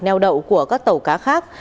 neo đậu của các tàu cá khác